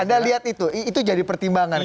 anda lihat itu itu jadi pertimbangan